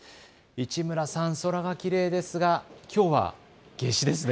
市村さん、空がきれいですがきょうは夏至ですね。